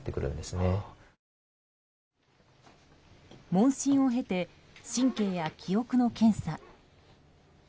問診を経て神経や記憶の検査。